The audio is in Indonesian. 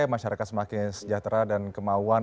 masyarakat semakin sejahtera dan kemauan